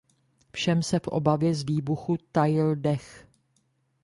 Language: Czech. Všem se v obavě z výbuchu tajil dech.